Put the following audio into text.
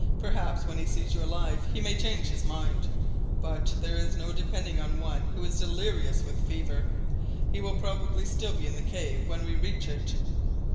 Perhaps, when he sees you alive, he may change his mind, but there is no depending on one who is delirious with fever. He will probably still be in the cave when we reach it."